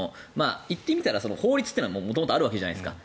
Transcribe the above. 言ってみたら法律というのは元々あるわけじゃないですか。